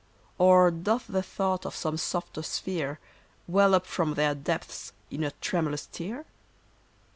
Or doth the thought of some softer sphere Well up from their depths in a tremulous tear